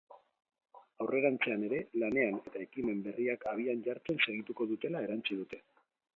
Aurrerantzean ere, lanean eta ekimen berriak abian jartzen segituko dutela erantsi dute.